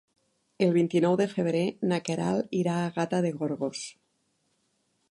El vint-i-nou de febrer na Queralt irà a Gata de Gorgos.